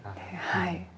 はい。